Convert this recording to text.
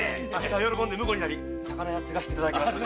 喜んで婿になり魚屋継がしていただきます。